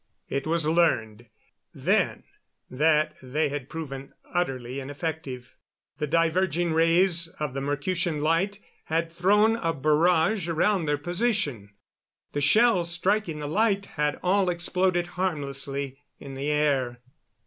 It was learned then that they had proven utterly ineffective. The diverging rays of the Mercutian light had thrown a barrage around their position. The shells striking the light had all exploded harmlessly in the air.